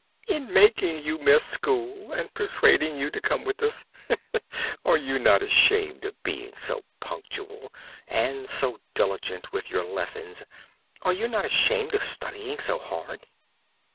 "In making you miss school and persuading you to come with us. Are you not ashamed of being always so punctual and so diligent with your lessons? Are you not ashamed of studying so hard?"